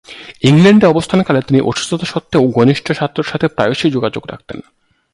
ইংল্যান্ডে অবস্থানকালে তিনি অসুস্থতা সত্ত্বেও, ঘনিষ্ঠ ছাত্রদের সাথে প্রায়শই যোগাযোগ রাখতেন।